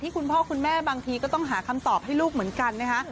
คุณพ่อคุณแม่บางทีก็ต้องหาคำตอบให้ลูกเหมือนกันนะคะ